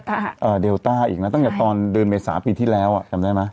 อ่าเดลต้าอีกนะตั้งแต่ตอนเดือนเมษาปีที่แล้วอ่ะจำได้ไหม